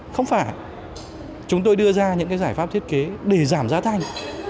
không phải chúng tôi đưa ra những cái giải pháp thiết kế để giảm giá thành